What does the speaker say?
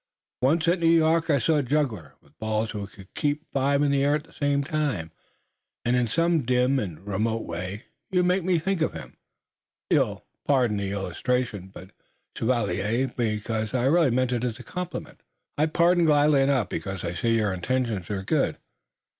Once, at New York, I saw a juggler with balls who could keep five in the air at the same time, and in some dim and remote way you make me think of him. You'll pardon the illustration, chevalier, because I really mean it as a compliment." "I pardon gladly enough, because I see your intentions are good.